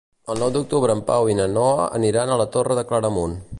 El nou d'octubre en Pau i na Noa aniran a la Torre de Claramunt.